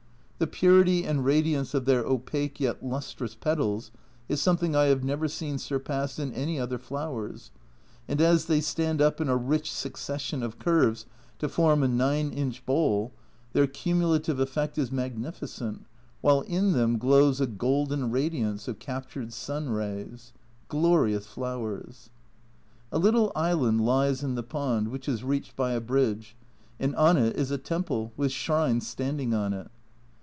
The purity and radiance of their opaque yet lustrous petals is something I have never seen surpassed in any other flowers, and as they stand up in a rich succession of curves to form a 9 inch A Journal from Japan 213 bowl, their cumulative effect is magnificent, while in them glows a golden radiance of captured sun rays. Glorious flowers ! A little island lies in the pond, which is reached by a bridge, and on it is a temple, with shrines standing on it.